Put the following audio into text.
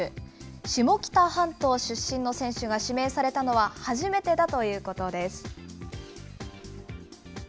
下北半島出身の選手が指名されたのは、初めてだということです。